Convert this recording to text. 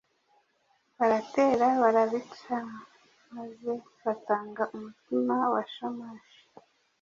baratera barabicamaze batanga umutima wa Shamash